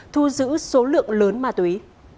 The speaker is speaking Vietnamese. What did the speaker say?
thu giữ số lượng lớn ma túy